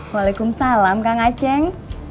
waalaikumsalam kang acing